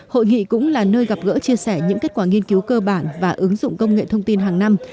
hội nghị cũng là nơi gặp gỡ chia sẻ những kết quả nghiên cứu cơ bản và ứng dụng công nghệ thông tin hàng năm